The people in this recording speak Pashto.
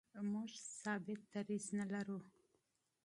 موږ ثابت دریځ نه لرو.